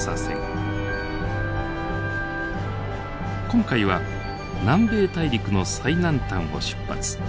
今回は南米大陸の最南端を出発。